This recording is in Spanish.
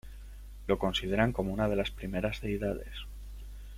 Lo consideran como una de las primeras deidades.